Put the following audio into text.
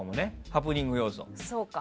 ハプニング要素で。